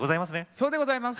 そうでございます！